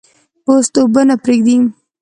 پوست اوبه نه پرېږدي.